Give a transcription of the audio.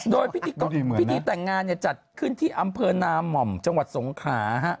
โดยพิธีแต่งงานจัดขึ้นที่อำเภอนาม่อมจังหวัดสงขา